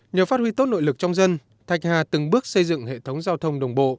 nhờ phát huy tốt nội lực trong dân thạch hà từng bước xây dựng hệ thống giao thông đồng bộ